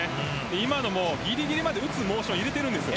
今のもぎりぎりまで打つモーションを入れているんです。